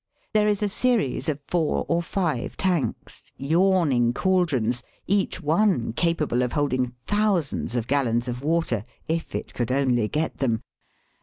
There is a series of four or five tanks, yawning caldrons, each one capable of holding thou sands of gallons of water if it could only get them.